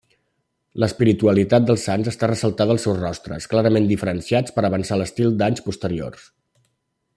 L'espiritualitat dels sants està ressaltada als seus rostres, clarament diferenciats per avançar l'estil d'anys posteriors.